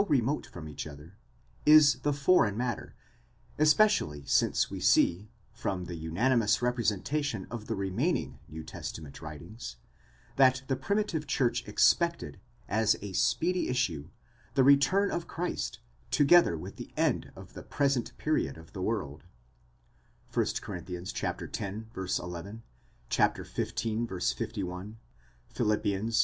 remote from each other, is the foreign matter, especially since we see, from the unanimous representation of the remaining New Testament writings, that the primitive church expected, as a speedy issue, the return of Christ, together with the end of the present period of the world (1 Cor. x. 11, xv. 513; Phil. iv.